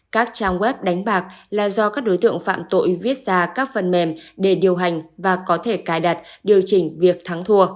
các trang web đánh bạc là do các đối tượng phạm tội viết ra các phần mềm để điều hành và có thể cài đặt điều chỉnh việc thắng thua